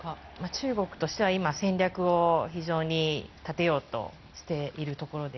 中国としては今、戦略を立てようとしているところで。